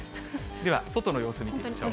では、外の様子見てみましょう。